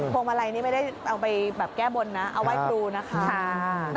วงมาลัยนี่ไม่ได้เอาไปแบบแก้บนนะเอาไหว้ครูนะคะ